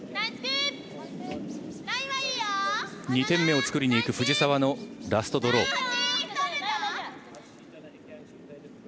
２点目を作りにいく藤澤のラストドロー。